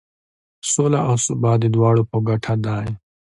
سوله او ثبات د دواړو په ګټه دی.